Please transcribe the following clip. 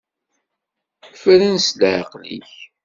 Fren s leɛqel-ik.